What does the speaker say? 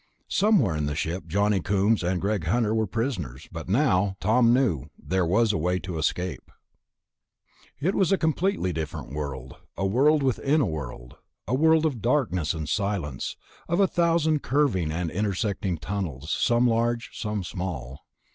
Somewhere in the ship Johnny Coombs and Greg Hunter were prisoners ... but now, Tom knew, there was a way to escape. It was a completely different world, a world within a world, a world of darkness and silence, of a thousand curving and intersecting tunnels, some large, some small.